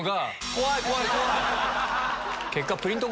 怖い怖い怖い！